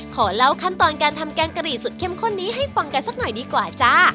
ขอเล่าขั้นตอนการทำแกงกะหรี่สุดเข้มข้นนี้ให้ฟังกันสักหน่อยดีกว่าจ้า